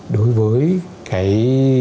đối với cái